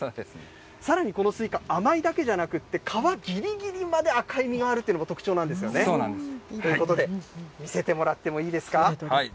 さらにこのスイカ、甘いだけじゃなくって、皮ぎりぎりまで赤い実があるっていうのも特徴なんですそうなんです。ということで、見せてもらってもいいですか。